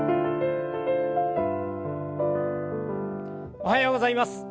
おはようございます。